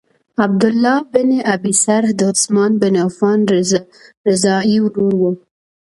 عبدالله بن ابی سرح د عثمان بن عفان رضاعی ورور وو.